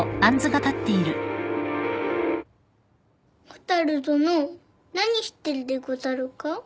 ・蛍殿何してるでござるか？